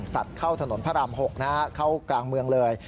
ตัดเข้าถนนพระราม๖เข้ากลางเมืองเลย